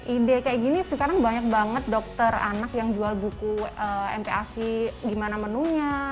ide kayak gini sekarang banyak banget dokter anak yang jual buku mpac gimana menunya